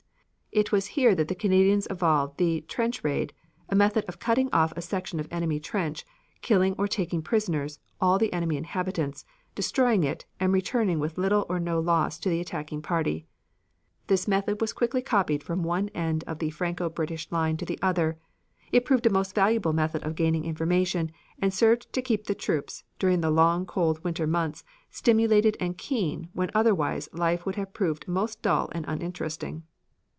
It was here that the Canadians evolved the "trench raid," a method of cutting off a section of enemy trench, killing or taking prisoners all the enemy inhabitants, destroying it and returning with little or no loss to the attacking party. This method was quickly copied from one end of the Franco British line to the other; it proved a most valuable method of gaining information, and served to keep the troops, during the long cold winter months, stimulated and keen when otherwise life would have proved most dull and uninteresting.